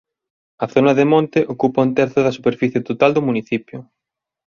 A zona de monte ocupa un terzo da superficie total do municipio.